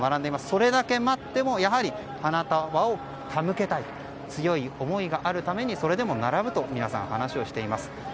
それだけ待ってもやはり花束を手向けたいという強い思いがあるためにそれでも並ぶと話しています。